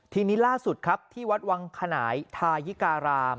ทีนี้ล่าสุดครับที่วัดวังขนายทายิการาม